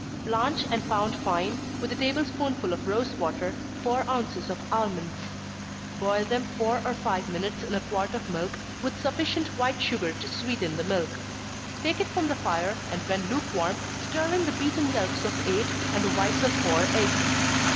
_ Blanch and pound fine, with a table spoonful of rosewater, four ounces of almonds. Boil them four or five minutes in a quart of milk, with sufficient white sugar to sweeten the milk. Take it from the fire, and when lukewarm, stir in the beaten yelks of eight, and the whites of four eggs.